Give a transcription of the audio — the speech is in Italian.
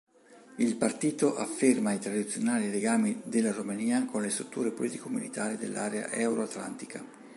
Il Partito afferma i tradizionali legami della Romania con le strutture politico-militari dell'area euro-atlantica.